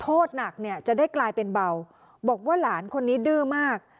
โทษหนักเนี่ยจะได้กลายเป็นเบาบอกว่าหลานคนนี้ดื้อมาก